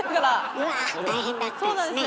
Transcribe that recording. うわ大変だったですね。